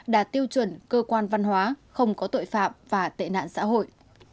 đạt tiêu chuẩn cơ quan văn hóa không có tội phạm và tệ nạn xã hội